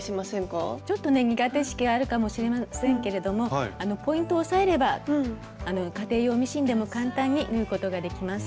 ちょっとね苦手意識があるかもしれませんけれどもポイントを押さえれば家庭用ミシンでも簡単に縫うことができます。